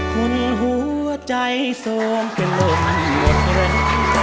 คุณหัวใจส่วนกระลุ่มหยุดเร็ว